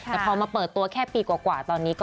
แต่พอมาเปิดตัวแค่ปีกว่าตอนนี้